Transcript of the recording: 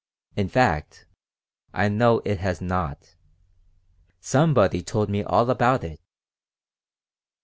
In fact, I know it has not. Somebody told me all about it."